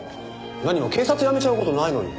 何も警察辞めちゃう事ないのに。